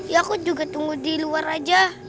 ya aku juga tunggu di luar aja